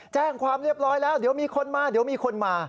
แจ้งความเรียบร้อยแล้วเดี๋ยวมีคนมาเดี๋ยวมีคนมา